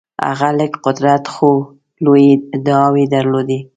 هغه لږ قدرت خو لویې ادعاوې درلودلې.